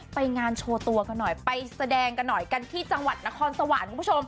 ไปงานโชว์ตัวกันหน่อยไปแสดงกันหน่อยกันที่จังหวัดนครสวรรค์คุณผู้ชม